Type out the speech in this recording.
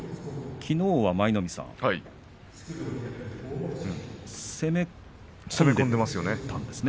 きのうは舞の海さん攻めたんですね。